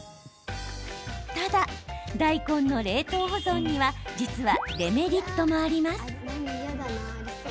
ただ、大根の冷凍保存には実はデメリットもあります。